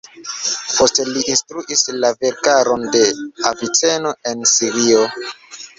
Poste li instruis la verkaron de Aviceno en Sirio.